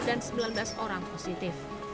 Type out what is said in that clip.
dan sembilan belas orang positif